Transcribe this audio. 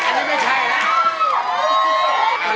ที่นี่ไม่ใช่แล้ว